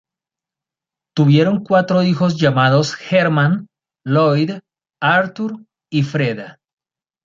Tuvieron cuatro hijos llamados: Herman, Lloyd, Arthur y Fred.